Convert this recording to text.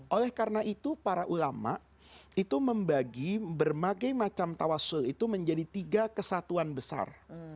oleh karena itu para ulama itu membagi berbagai macam tawasul itu menjadi tiga kesatuan besar